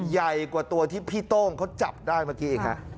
ใหญ่กว่าตัวที่พี่โต้งเขาจับได้เมื่อกี้อีกฮะ